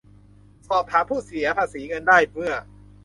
สอบถามผู้เสียภาษีเงินได้เมื่อ